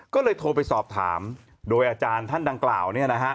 ก็เลยโทรไปสอบถามโดยอาจารย์ท่านดังกล่าวเนี่ยนะฮะ